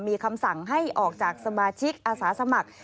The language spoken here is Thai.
มีคำสั่งให้ออกจากสมาชิกอาสาสมัคร